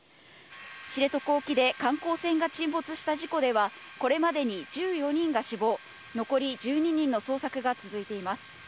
知床沖で観光船が沈没した事故では、これまでに１４人が死亡、残り１２人の捜索が続いています。